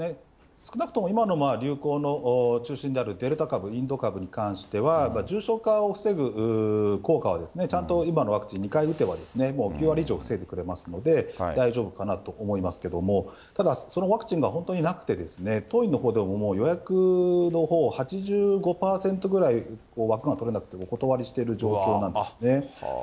少なくとも今の流行の中心であるデルタ株、インド株に関しては、重症化を防ぐ効果は、ちゃんと今のワクチン、２回打てばもう９割以上防いでくれますので、大丈夫かなと思いますけれども、ただ、そのワクチンが本当になくて、当院のほうでももう予約のほう、８５％ぐらい枠が取れなくて、お断りしている状況なんですね。